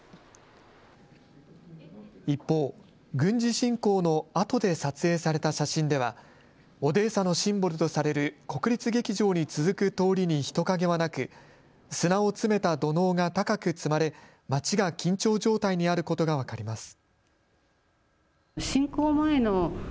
一方、軍事侵攻のあとで撮影された写真ではオデーサのシンボルとされる国立劇場に続く通りに人影はなく砂を詰めた土のうが高く積まれ町が緊張状態にあることが分かります。